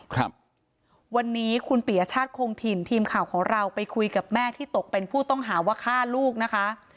ครับวันนี้คุณปียชาติคงถิ่นทีมข่าวของเราไปคุยกับแม่ที่ตกเป็นผู้ต้องหาว่าฆ่าลูกนะคะ